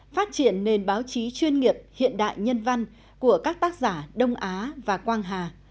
phát triển nền báo chí chuyên nghiệp hiện đại nhân văn của các tác giả đông á và quang hà